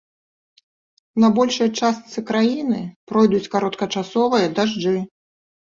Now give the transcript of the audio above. На большай частцы краіны пройдуць кароткачасовыя дажджы.